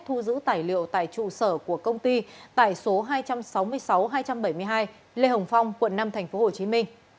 thu giữ tài liệu tại trụ sở của công ty tại số hai trăm sáu mươi sáu hai trăm bảy mươi hai lê hồng phong quận năm tp hcm